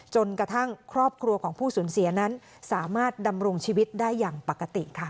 จนกระทั่งครอบครัวของผู้สูญเสียนั้นสามารถดำรงชีวิตได้อย่างปกติค่ะ